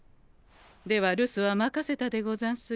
では留守は任せたでござんすよ。